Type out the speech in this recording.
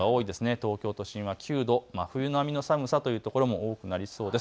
東京都心は９度、真冬並みの寒さというところも多くなりそうです。